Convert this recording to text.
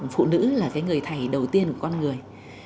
phụ nữ là cái người thầy đầu tiên của con người